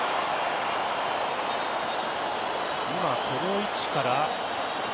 今、この位置から。